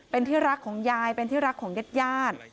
เป็นที่รักของยายเป็นที่รักของเย็ด